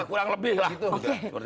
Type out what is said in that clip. kurang lebih lah